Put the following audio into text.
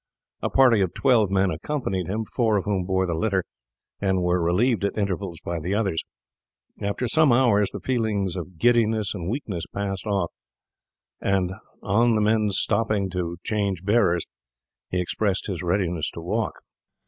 A party of twelve men accompanied him, four of whom bore the litter, and were relieved at intervals by the others. After some hours the feeling of giddiness and weakness passed off, and on the men stopping to change bearers he expressed his readiness to walk.